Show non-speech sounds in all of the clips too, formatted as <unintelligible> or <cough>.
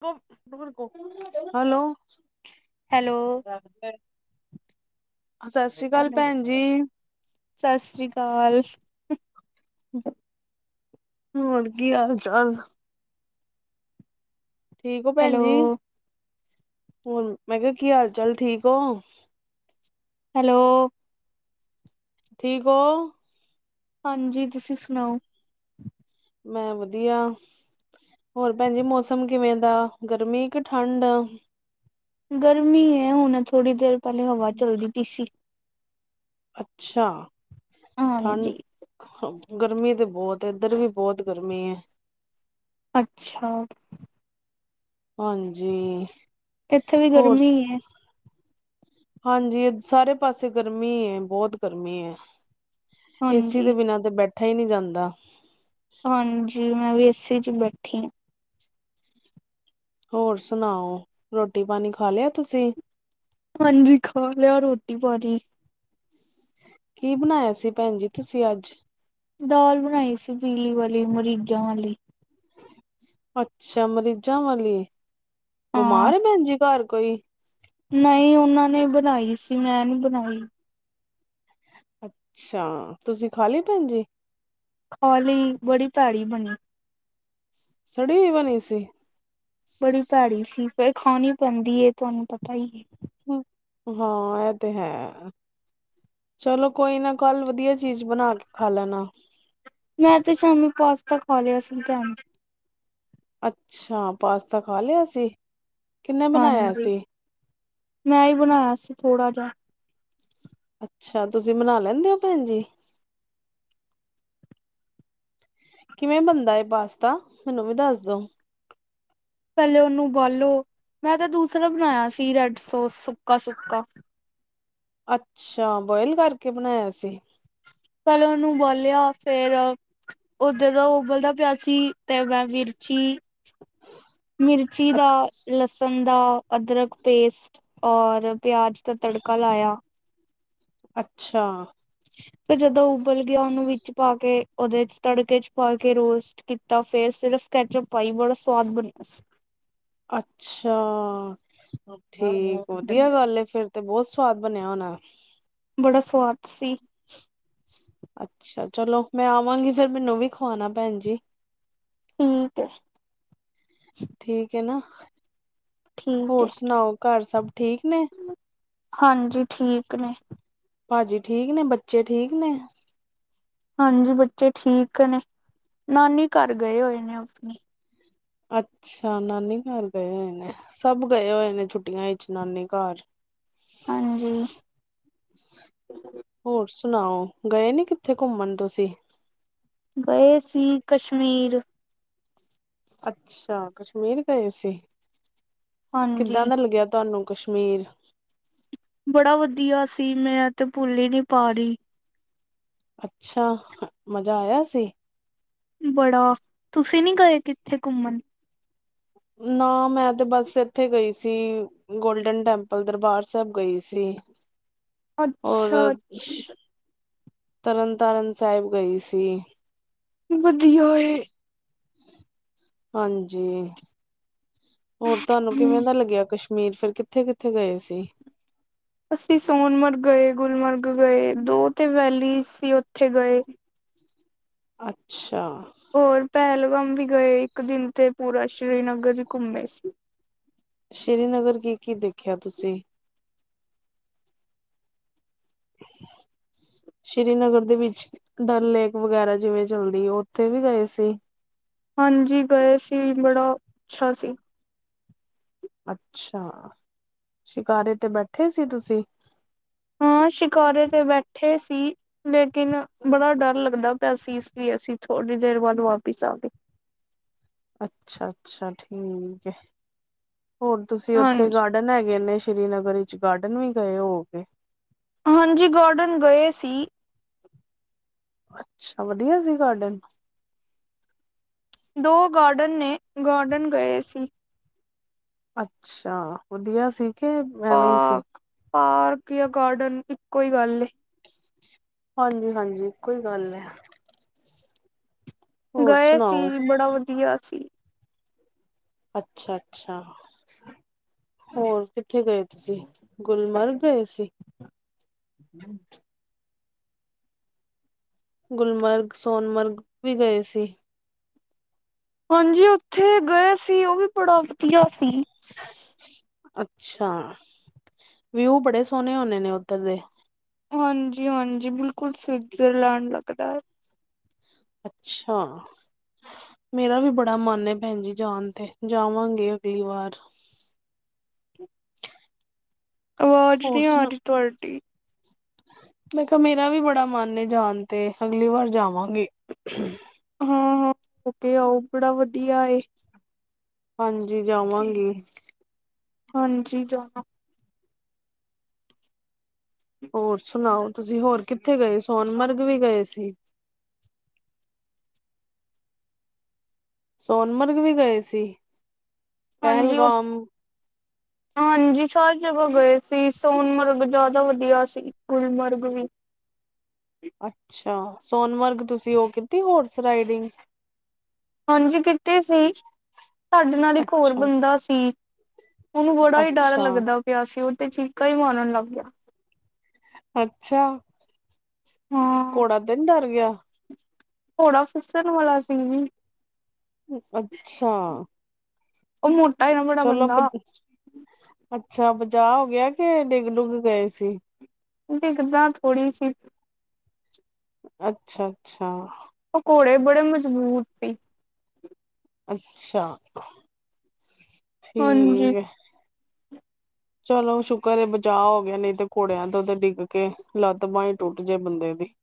<unintelligible> Hello. Hello ਸਤਿ ਸ੍ਰੀ ਅਕਾਲ ਹੈਲੋ ਭੈਣ ਜੀ। ਸਤਿ ਸ੍ਰੀ ਅਕਾਲ। ਹੋਰ ਕੀ ਹਾਲ ਚਾਲ? ਠੀਕ ਹੋ ਭੈਣ ਹੈਲੋ ਜੀ ਹੋਰ ਮੈਂ ਕਿਹਾ ਕੀ ਹਾਲ ਚਾਲ ਠੀਕ ਔ? ਹੈਲੋ। ਠੀਕ ਔ? ਹਾਂਜੀ, ਤੁਸੀਂ ਸੁਣਾਓ? ਮੈਂ ਵਧੀਆ। ਹੋਰ ਭੈਣ ਜੀ ਮੌਸਮ ਕਿਵੇਂ ਦਾ ਗਰਮੀ ਏ ਕਿ ਠੰਡ? ਗਰਮੀ ਏ ਹੁੰਨੇ ਥੋੜ੍ਹੀ ਦੇਰ ਪਹਿਲੇ ਹਵਾ ਚੱਲਦੀ ਪੀ ਸੀ। ਅੱਛਾ, ਹਾਂਜੀ ਠਾਂਡ ਗਰਮੀ ਤੇ ਬਹੁਤ ਇੱਧਰ ਵੀ ਬਹੁਤ ਗਰਮੀ ਏ। ਅੱਛਾ। ਹਾਂਜੀ, ਇੱਥੇ ਵੀ ਹੋਰ? ਗਰਮੀ ਹੈ ਹਾਂਜੀ ਸਾਰੇ ਪਾਸੇ ਗਰਮੀ ਏ ਬਹੁਤ ਗਰਮੀ ਏ। ਏਸੀ ਦੇ ਹਾਂਜੀ ਬਿਨਾਂ ਤੇ ਬੈਠਾ ਈ ਨੀ ਜਾਂਦਾ। ਹਾਂਜੀ ਮੈਂ ਵੀ ਏ ਸੀ ਚ ਬੈਠੀ ਆਂ। ਹੋਰ ਸੁਣਾਓ ਰੋਟੀ ਪਾਣੀ ਖਾ ਲਯਾ ਤੁਸੀਂ? ਹਾਂਜੀ ਖਾ ਲਯਾ ਰੋਟੀ ਪਾਨੀ। ਕੀ ਬਨਾਯਾ ਸੀ ਭੈਣ ਜੀ ਤੁਸੀਂ ਅੱਜ? ਦਾਲ ਬਣਾਈ ਸੀ ਪੀਲੀ ਵਾਲੀ ਮਰੀਜ਼ਾਂ ਵਾਲੀ। ਅੱਛਾ, ਮਰੀਜ਼ਾਂ ਵਾਲੀ ਹਾਂ ਬਿਮਾਰ ਏ ਭੈਣ ਜੀ ਘਰ ਕੋਈ? ਨਹੀਂ ਉਹਨਾਂ ਨੇ ਬਣਾਈ ਸੀ ਮੈਂ ਨੀ ਬਣਾਈ। ਅੱਛਾ, ਤੁਸੀਂ ਖਾਲੀ ਭੈਣ ਜੀ? ਖਾ ਲਈ ਬੜੀ ਭੈੜੀ ਬਣੀ। ਸੜੀ ਹੋਈ ਬਣੀ ਸੀ? ਬੜੀ ਭੈੜੀ ਸੀ ਫੇਰ ਖਾਣੀ ਪੈਂਦੀ ਏ ਤੁਵਾਨੂੰ ਪਤਾ ਈ ਏ। ਹਾਂ ਐਹ ਤੇ ਹੈ ਚਲੋ ਕੋਈ ਨਾ ਕੱਲ ਵਧੀਆ ਚੀਜ਼ ਬਣਾ ਕੇ ਖਾ ਲੈਣਾ ਮੈਂ ਤਾਂ ਸ਼ਾਮੀ ਪਾਸਤਾ ਖਾਲੇ ਆ ਸੀ ਟਣ ਅੱਛਾ, ਪਾਸਤਾ ਖਾ ਲਿਆ ਸੀ? ਕਿੰਨੇ ਬਣਾਇਆ ਹਾਂਜੀ, ਸੀ ਮੈਂ ਹੀ ਬਣਾਇਆ ਸੀ ਥੋੜਾ ਜਾ। ਅੱਛਾ, ਤੁਸੀਂ ਬਣਾ ਲੈਂਦੇ ਹੋ ਭੈਣ ਜੀ? ਕਿਵੇਂ ਬਣਦਾ ਏ ਪਾਸਤਾ, ਮੈਨੂੰ ਵੀ ਦੱਸ ਦੋ। ਪੈਲੇ ਉਹਨੂੰ ਬਾਲੋ, ਮੈਂ ਤਾਂ ਦੂਸਰਾ ਬਣਾਇਆ ਸੀ ਰੈਡ ਸੋਸ ਸੁੱਕਾ ਸੁੱਕਾ। ਅੱਛਾ, ਬੋਇਲ ਕਰਕੇ ਬਣਾਇਆ ਸੀ। ਪੈਲੇ ਉਹਨੂੰ ਉਬਾਲਿਆ ਫੇਰ ਉਹ ਜਦੋਂ ਉਬਲਦਾ ਪਿਆ ਸੀ। ਤੇ ਮੈਂ ਵਿਰਚੀ ਮਿਰਚੀ ਦਾ ਲਸਣ ਦਾ ਅਦਰਕ ਪੇਸਟ, ਔਰ ਪਿਆਜ਼ ਦਾ ਤੜਕਾ ਲਾਇਆ। ਅੱਛਾ। ਫਿਰ ਜਦੋਂ ਉਬਲ ਗਿਆ, ਉਹਨੂੰ ਵਿੱਚ ਪਾ ਕੇ, ਓਦੇ 'ਚ ਤੜਕੇ ਚ ਪਾ ਕੇ ਰੋਸ ਕੀਤਾ ਫੇਰ ਸਿਰਫ਼ ਕੈਚੋ ਪਾਈ, ਬੜਾ ਸਵਾਦ ਬਣਿਆ ਸੀ। ਅੱਛਾ, ਠੀਕ ਸੀ। ਵਧੀਆ ਗੱਲ ਐ ਫੇਰ ਤੇ ਬੋਤ ਸਵਾਦ ਬਣਿਆ ਹੋਣਾ। ਬੜਾ ਸਵਾਦ ਸੀ। ਅੱਛਾ, ਚਲੋ ਮੈਂ ਆਵਾਂਗੀ ਫੇਰ ਮੈਨੂੰ ਵੀ ਖਵਾਣਾ ਭੈਣ ਜੀ। ਠੀਕ ਏ ਐ। ਠੀਕ ਐ ਨਾ, ਠੀਕ ਹੈ ਹੋਰ ਸੁਣਾਓ ਘਰ ਸਭ ਠੀਕ ਨੇ? ਹਾਂਜੀ ਠੀਕ ਨੇ। ਭਾਜੀ ਠੀਕ ਨੇ, ਬੱਚੇ ਠੀਕ ਨੇ? ਹਾਂਜੀ, ਬੱਚੇ ਠੀਕ ਨੇ, ਨਾਨੀ ਘਰ ਗਏ ਹੋਏ ਨੇ ਆਪਣੀ। ਅੱਛਾ, ਨਾਨੀ ਘਰ ਗਏ ਹੋਏ ਨੇ, ਸਭ ਗਏ ਹੋਏ ਨੇ ਛੁੱਟੀਆਂ ਵਿੱਚ ਨਾਨੀ ਘਰ। ਹਾਂਜੀ। ਹੋਰ ਸੁਣਾਓ, ਗਏ ਨੀ ਕਿੱਥੇ ਘੁੰਮਣ ਤੁਸੀਂ? ਗਏ ਸੀ ਕਸ਼ਮੀਰ। ਅੱਛਾ, ਕਸ਼ਮੀਰ ਗਏ ਸੀ। ਕਿੱਦਾਂ ਹਾਂਜੀ ਦਾ ਲੱਗਿਆ ਤੁਹਾਨੂੰ ਕਸ਼ਮੀਰ? ਬੜਾ ਵਧੀਆ ਸੀ, ਮੈਂ ਤੇ ਭੁੱਲ ਹੀ ਨੀ ਪਾ ਰਹੀ। ਅੱਛਾ, ਮਜ਼ਾ ਆਇਆ ਸੀ? ਬੜਾ, ਤੁਸੀਂ ਨੀ ਗਏ ਕਿੱਥੇ ਘੁੰਮਣ? ਨਾ ਮੈਂ ਤੇ ਬਸ ਇੱਥੇ ਗਈ ਸੀ। ਗੋਲਡਨ ਟੈਂਪਲ ਦਰਬਾਰ ਸਾਹਿਬ ਗਈ ਸੀ। ਔਰ ਅੱਛਾ ਅੱਛਾ ਤਰਨ ਤਾਰਨ ਸਾਹਿਬ ਗਈ ਸੀ। ਵਧੀਆ ਏ। ਹਾਂਜੀ, ਹੋਰ ਤੁਹਾਨੂੰ ਕਿਵੇਂ ਦਾ ਲੱਗਿਆ ਕਸ਼ ਮੀਰ ਫਿਰ, ਕਿੱਥੇ ਕਿੱਥੇ ਗਏ ਸੀ? ਅਸੀਂ ਸੋਨਮਰਗ ਗਏ, ਗੁਲਮਰਗ ਗਏ ਦੋ ਤੇ ਵੈਲੀ ਸੀ ਉੱਥੇ ਗਏ। ਅੱਛਾ। ਹੋਰ ਪਹਿਲਗਾਮ ਵੀ ਗਏ, ਇੱਕ ਦਿਨ ਤੇ ਪੂਰਾ ਸ਼੍ਰੀਨਗਰ ਵੀ ਘੁੰਮੇ ਸੀ। ਸ਼੍ਰੀਨਗਰ ਕੀ ਕੀ ਦੇਖਿਆ ਤੁਸੀਂ? <unintelligible> ਸ਼੍ਰੀਨਗਰ ਦੇ ਵਿੱਚ ਡਲ ਲੇਕ ਵਗੈਰਾ ਜਿਵੇਂ ਚਲਦੀ ਉੱਥੇ ਵੀ ਗਏ ਸੀ? ਹਾਂਜੀ ਗਏ ਸੀ, ਬੜਾ ਓ, ਅੱਛਾ ਸੀ। ਅੱਛਾ! ਸ਼ਿਕਾਰੇ ਤੇ ਬੈਠੇ ਸੀ ਤੁਸੀਂ? ਹਾਂ, ਸ਼ਿਕਾਰੇ ਤੇ ਬੈਠੇ ਸੀ। ਲੇਕਿਨ ਬੜਾ ਡਰ ਲੱਗਦਾ ਪਿਆ ਸੀ, ਇਸ ਲਈ ਅਸੀਂ ਥੋੜੀ ਦੇਰ ਬਾਅਦ ਵਾਪਿਸ ਆ ਗਏ। ਅੱਛਾ-ਅੱਛਾ, ਠੀਕ ਏ, ਹੋਰ ਤੁਸੀਂ ਉੱਥੇ ਹਾਂਜੀ ਗਾਰਡਨ ਹੈਗੇ ਨੇ ਸ਼੍ਰੀਨਗਰ ਵਿੱਚ, ਗਾਰਡਨ ਵੀ ਗਏ ਹੋਗੇ? ਹਾਂਜੀ, ਗਾਰਡਨ ਗਏ ਸੀ। ਅੱਛਾ, ਵਧੀਆ ਸੀ ਗਾਰਡਨ? ਦੋ ਗਾਰਡਨ ਨੇ, ਗਾਰਡਨ ਗਏ ਸੀ। ਅੱਛਾ, ਵਧੀਆ ਸੀ, ਕਿ ਐਵੇਂ ਹੀ ਸੀ? ਪਾਰਕ ਪਾਰਕ ਯਾ ਗਾਰਡਨ, ਇੱਕੋ ਹੀ ਗੱਲ ਏ। ਹਾਂਜੀ-ਹਾਂਜੀ, ਇੱਕੋ ਈ ਗੱਲ ਐ। ਗਏ ਸੁਣਾਓ ਸੀ, ਬੜਾ ਵਧੀਆ ਸੀ। ਅੱਛਾ-ਅੱਛਾ। ਹੋਰ ਕਿੱਥੇ ਗਏ ਤੁਸੀ, ਗੁਲਮਰਗ ਗਏ ਸੀ? ਹੂ <unintelligible> ਗੁਲਮਰਗ, ਸੋਨਮਰਗ ਵੀ ਗਏ ਸੀ? ਹਾਂਜੀ ਉੱਥੇ ਗਏ ਸੀ, ਉਹ ਵੀ ਬੜਾ ਵਧੀਆ ਸੀ। ਅੱਛਾ, ਵਿਊ ਬੜੇ ਸੋਹਣੇ ਹੋਣੇ ਨੇ ਉੱਧਰ ਦੇ। ਹਾਂਜੀ-ਹਾਂਜੀ, ਬਿਲਕੁਲ ਸਵਿਟਜ਼ਰਲੈਂਡ ਲੱਗਦਾ ਏ‌। ਅੱਛਾ। ਮੇਰਾ ਵੀ ਬੜਾ ਮਨ ਏ ਭੈਣ ਜੀ, ਜਾਣ ਤੇ, ਜਾਵਾਂਗੇ ਅਗਲੀ ਵਾਰ। ਅਵਾਜ਼ ਹੋਰ ਨਹੀਂ ਆ ਸੁਣਾ ਰਹੀ, ਤੁਹਾਡੀ। ''ਮੈਂ ਕਿਹਾ ਮੇਰਾ ਵੀ ਬੜਾ ਮਨ ਏ ਜਾਣ ਤੇ, ਅਗਲੀ ਵਾਰ ਜਾਵਾਂਗੇ। ਹਾਂ-ਹਾਂ, ਓ ਤੇ ਆਓ, ਬੜਾ ਵਧੀਆ ਏ। ਹਾਂਜੀ, ਜਾਵਾਂਗੀ। ਹਾਂਜੀ, ਜਾਨਾ। ਹੋਰ ਸੁਣਾਓ ਤੁਸੀਂ ਹੋਰ ਕਿੱਥੇ ਗਏ, ਸੋਨਮਰਗ ਵੀ ਗਏ ਸੀ? ਸੋਨਮਰਗ ਵੀ ਗਏ ਸੀ? ਹਾਂਜੀ, ਉਹ ਪਹਿਲਗਾਮ ਹਾਂਜੀ, ਸਾਰੀ ਜਗ੍ਹਾ ਗਏ ਸੀ, ਸੋਨਮਰਗ ਜ਼ਿਆਦਾ ਵਧੀਆ ਸੀ। ਗੁਲਮਰਗ ਵੀ। ਅੱਛਾ, ਸੋਨਮਰਗ ਤੁਸੀਂ ਉਹ ਕੀਤੀ ਹੋਰਸ ਰਾਈਡਿੰਗ। ਹਾਂਜੀ, ਕਿਤੀ ਸੀ। ਸਾਡੇ ਨਾਲ ਇੱਕ ਹੋਰ ਅੱਛਾ ਬੰਦਾ ਸੀ, ਉਹਨੂੰ ਬੜਾ ਹੀ ਡਰ ਅੱਛਾ ਲੱਗਦਾ ਗਿਆ ਸੀ, ਉਹ ਤੇ ਚੀਕਾ ਈ ਮਾਰਨ ਲੱਗ ਗਿਆ। ਅੱਛਾ! ਹਾਂ। ਘੋੜਾ ਤੇ ਨਹੀ ਡਰ ਗਿਆ? ਘੋੜਾ ਫਿਸਣ ਵਾਲਾ ਸੀ। ਅੱਛਾ! ਉਹ ਮ੍ਹੋਟਾ ਈ ਚਲੋ, ਬਣ, ਬਚਾਅ ਹੋਗਿਆ ਕੇ, ਡਿੱਗ ਡੁਗ ਗਏ ਸੀ? ਡਿਗਨਾ ਥੋੜ੍ਹੀ ਸੀ। ਅੱਛਾ-ਅੱਛਾ। ਓ ਘੋੜੇ, ਬੜੇ ਮਜਬੂਤ ਸੀ। ਅੱਛਾ, ਹਾਂਜੀ ਠੀਕ ਐ। <inaudible> ਚਲੋ ਸ਼ੁਕਰ ਏ, ਬਚਾਅ ਹੋ ਗਿਆ, ਨਈਂ ਤੇ ਘੋੜੇਆਂ ਤੋਂ ਤਾਂ ਡਿੱਗ ਕੇ ਲੱਤ ਬਾਂਹ ਈ ਟੁੱਟ ਜੇ ਬੰਦੇ ਦੀ।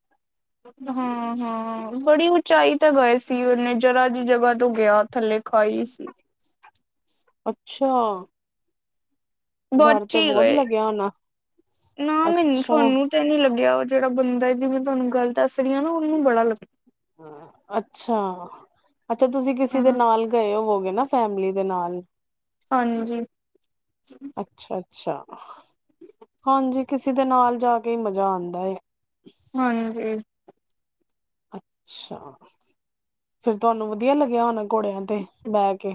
ਹਾਂ -ਹਾਂ, ਬੜੀ ਉਚਾਈ ਤੇ ਗਏ ਸੀ, ਓਨੇ ਜਰਾ ਜੀ ਜਗ੍ਹਾ ਤੋਂ ਗਿਆ। ਥੱਲੇ ਖਾਈ ਸੀ। ਅੱਛਾ। ਡਰ ਬਚ ਤੇ ਈ ਬਹੁਤ ਗਏ, ਲੱਗਿਆ ਹੋਣਾ ਨਾ ਮੈਨੂੰ ਅੱਛਾ ਸਾਨੂੰ ਨੀ ਲੱਗੇਆ, ਓ ਜੇਹੜਾ ਬੰਦਾ ਜਿਦੀ ਮੈਂ ਤੁਆਨੂੰ ਗੱਲ ਦੱਸ ਰੀ ਆ ਨਾ, ਓਨੂੰ ਬੜਾ ਲੱਗ ਅੱਛਾ, ਅੱਛਾ ਤੁਸੀਂ ਕਿਸੇ ਦੇ ਹਾਂ ਨਾਲ ਗਏ ਹੋਵੋਗੇ ਨਾ? ਫੈਮਲੀ ਦੇ ਨਾਲ? ਹਾਂਜੀ। ਅੱਛਾ -ਅੱਛਾ, ਹਾਂਜੀ, ਕਿਸੇ ਦੇ ਨਾਲ ਜਾ ਕੇ ਮਜਾ ਆਂਦਾ ਏ। ਹਾਂਜੀ। ਅੱਛਾ, ਫੇਰ ਤੁਆਨੂੰ ਵਧੀਆ ਲੱਗੇਆ ਹੋਨੈ ਘੋੜੇਆਂ ਤੇ ਬੈਹ ਕੇ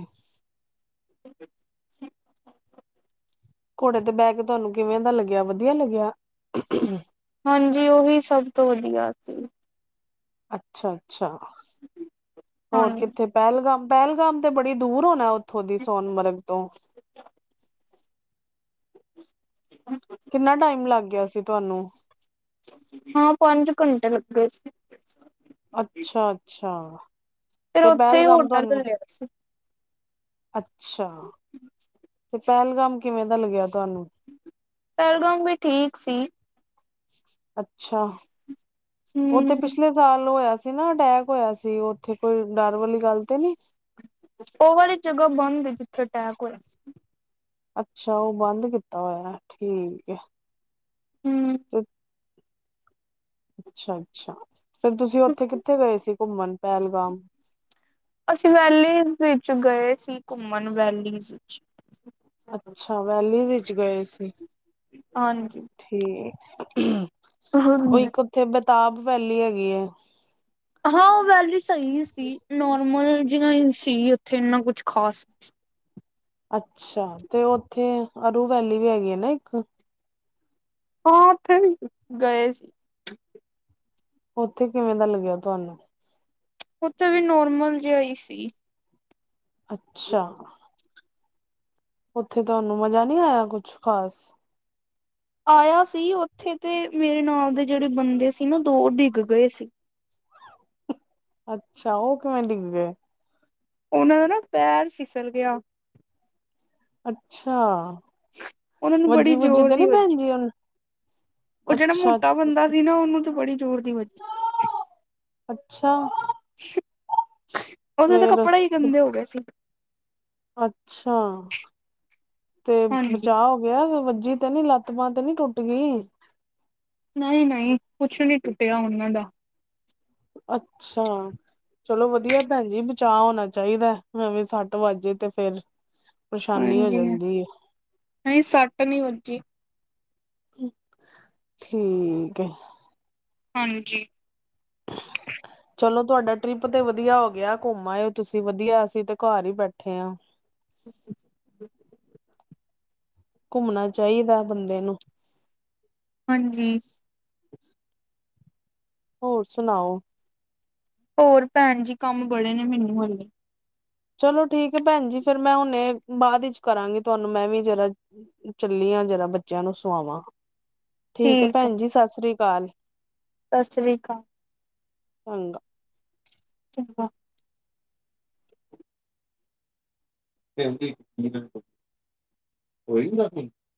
<inaudible> ਘੋੜੇ ਤੇ ਬੈਕੇ ਤੁਆਨੂੰ ਕਿਵੇਂ ਦਾ ਲੱਗੇਆ, ਵਧੀਆ ਲੱਗੇਆ? ਹਾਂਜੀ, ਓਹੀ ਸਬ ਤੋਂ ਵਧੀਆ ਸੀ। ਅੱਛਾ -ਅੱਛਾ, ਹੋਰ ਹਾਂਜੀ ਕਿੱਥੇ ਪੈਹਲਗਾਮ- ਪੈਹਲਗਾਮ ਤੇ, ਬੜੀ ਦੂਰ ਹੋਣਾ ਓਥੋਂ ਦੀ ਸੋਨਮਰਗ ਤੋਂ? ਕਿੰਨਾ ਟਾਈਮ ਲੱਗ ਗਿਆ ਸੀ, ਤੁਆਨੂੰ? ਹਾਂ, ਪੰਜ ਘੰਟੇ ਲੱਗੇ ਸੀ। ਅੱਛਾ-ਅੱਛਾ, ਫਿਰ ਤੇ ਉੱਥੇ ਹੀ ਪੈਹਲਗਾਮ ਹੋਟਲ ਤੁਆਨੂੰ ਲਿਆ ਸੀ ਅੱਛਾ ਤੇ, ਪੈਹਲਗਾਮ ਕਿਵੇਂ ਦਾ ਲੱਗੇਆ ਤੁਆਨੂੰ? ਪੈਹਲਗਾਮ ਵੀ, ਠੀਕ ਸੀ। ਅੱਛਾ, ਓ ਹਮ ਤੇ ਪਿਛਲੇ ਸਾਲ, ਹੋਏਆ ਸੀ ਨਾ, ਅਟੈਕ ਹੋਏਆ ਸੀ। ਓਥੇ ਕੋਈ ਡਰ ਵਾਲੀ ਗੱਲ ਤੇ ਨੀਂ? ਓ ਵਾਲੀ ਜਗ੍ਹਾ ਬੰਦ ਏ, ਜਿੱਥੇ ਟੈਕ ਹੋਏਆ ਸੀ। ਅੱਛਾ, ਓ ਬੰਦ ਕੀਤਾ ਹੋਏਆ, ਠੀਕ ਐ। ਹਮ <inaudible> ਅੱਛਾ -ਅੱਛਾ, ਫੇਰ ਤੁਸੀਂ ਓਥੇ ਕਿੱਥੇ ਗਏ ਸੀ? ਘੁੰਮਣ ਪੈਹਲਗਾਮ ਅਸੀਂ ਵੈਲੀਜ਼ ਵਿੱਚ ਗਏ ਸੀ, ਘੁੰਮਣ ਵੈਲੀ 'ਚ ਅੱਛਾ, ਵੈਲੀਜ਼ ਵਿੱਚ ਗਏ ਸੀ। ਹਾਂਜੀ। ਠੀਕ, ਓ ਹਾਂਜੀ ਇੱਕ ਉੱਥੇ ਬੇਤਾਬ ਵੈਲੀ ਹੈਗੀ ਐ। ਹਾਂ ਵੈਲੀ ਸਈ ਸੀ, ਨੋਰਮਲ ਜਿਵੇਂ ਈ ਸੀ, ਉੱਥੇ, ਇੰਨਾ ਕੁਛ ਖਾਸ ਅੱਛਾ, ਤੇ ਓਥੇ ਅਰੂ ਵੈਲੀ ਵੀ ਹੈਗੀ ਆ ਨਾ, ਇੱਕ? ਹਾਂ, ਓਥੇ ਵੀ ਗਏ ਸੀ। ਓਥੇ, ਕਿਵੇਂ ਦਾ ਲੱਗੇਆ ਤੁਆਨੂੰ? ਉਥੇ ਵੀ, ਨੋਰਮਲ ਜਿਆ ਈ ਸੀ। ਅੱਛਾ। ਉੱਥੇ ਤੁਆਨੂੰ, ਮਜਾ ਨੀਂ ਆਏਆ ਕੁਛ ਖ਼ਾਸ? ਆਏਆ ਸੀ, ਓਥੇ ਤੇ ਮੇਰੇ ਨਾਲ ਦੇ ਜੇਹੜੇ ਬੰਦੇ ਸੀ ਨਾ, ਦੋ ਡਿੱਗ ਗਏ ਸੀ। ਅੱਛਾ, ਓ ਕਿਵੇਂ ਡਿੱਗ ਗਏ? ਓਨਾਂ ਦਾ ਨਾ, ਪੈਰ ਫਿਸਲ ਗਿਆ। ਅੱਛਾ ਉਹਨਾਂ ਨੂੰ ਵੱਜੀ ਬੜੀ ਵੁਜੀ ਜ਼ੋਰ ਦੀ ਤੇ ਭੈਣ ਵੱਜੀ। ਜੀ ਉਣ ਉਹ ਜੇੜਾ ਮੋਟਾ ਬੰਦਾ ਸੀ ਨਾ ਉਹਨੂੰ ਤੇ ਬੜੀ ਜ਼ੋਰ ਦੀ ਵੱਜੀ। ਅੱਛਾ ਅਛ ਉਹਦੇ ਤਾਂ ਫੇਰ ਕੱਪੜੇ ਹੀ ਗੰਦੇ ਹੋ ਗਏ ਸੀ। ਅੱਛਾ ਤੇ ਹਾਂਜੀ ਬਚਾ ਹੋ ਵੇ ਵੱਜੀ ਤੇ ਨੀ ਲੱਤ ਬਾਂਹ ਤੇ ਨੀ ਟੁੱਟ ਗਈ। ਨਹੀਂ -ਨਹੀਂ ਕੁਛ ਨੀ ਟੁੱਟਿਆ ਉਹਨਾਂ ਦਾ ਅੱਛਾ ਚਲੋ ਵਧੀਆ ਭੈਣ ਜੀ ਬਚਾਅ ਹੋਣਾ ਚਾਹੀਦਾ ਐਵੇਂ ਸੱਟ ਵੱਜ ਜਾਏ ਤੇ ਫੇਰ ਪਰੇਸ਼ਾਨੀ ਹੋ ਹਾਂਜੀ ਜਾਂਦੀ ਨਹੀਂ ਸੱਟ ਨੀ ਵੱਜੀ। ਹੁੰ ਠੀਕ ਐ। ਹਾਂਜੀ ਚਲੋ ਤੁਹਾਡਾ ਟ੍ਰਿਪ ਤੇ ਵਧੀਆ ਹੋ ਗਿਆ ਘੁੰਮ ਆਏ ਤੁਸੀਂ ਵਧੀਆ ਅਸੀਂ ਤੇ ਘਰ ਹੀ ਬੈਠੇ ਹਾਂ। <inaudible> ਘੁੰਮਣਾ ਚਾਈਦਾ ਬੰਦੇ ਨੂੰ ਹਾਂਜੀ ਹੋਰ ਸੁਣਾਓ। ਹੋਰ ਪੈਣ ਜੀ ਕੰਮ ਬੜੇ ਨੇ ਮੈਨੂੰ ਹਲੇ ਚਲੋ ਠੀਕ ਪੈਣ ਜੀ ਫਿਰ ਮੈਂ ਹੁਣੇ ਬਾਦ ਵਿਚ ਕਰਾਂਗੀ ਤੁਹਾਨੂੰ ਮੈਂ ਵੀ ਜਰਾ ਚੱਲੀ ਆਂ ਜਰਾ ਬੱਚਿਆਂ ਨੂੰ ਸੁਆਵਾਂ ਠੀਕ ਹੈ ਪੈਣ ਜੀ ਸਸਰੀ ਕਾਲ ਸਸਰੀ ਕਾਲ ਹਂਗਾ ਚੰਗਾ ਦਿਲ ਦੀ <unintelligible>